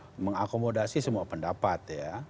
harus apa namanya mengakomodasi semua pendapat ya